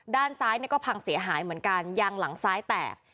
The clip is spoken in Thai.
ด้านซ้ายเนี่ยก็พังเสียหายเหมือนกันยางหลังซ้ายแตก